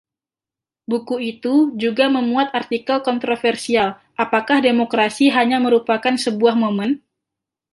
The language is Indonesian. Buku itu juga memuat artikel kontroversial Apakah Demokrasi Hanya Merupakan Sebuah Momen?